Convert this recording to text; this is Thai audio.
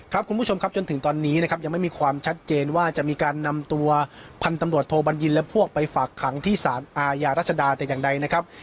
คุณผู้ชมครับจนถึงตอนนี้นะครับยังไม่มีความชัดเจนว่าจะมีการนำตัวพันธุ์ตำรวจโทบัญญินและพวกไปฝากขังที่สารอาญารัชดาแต่อย่างใดนะครับ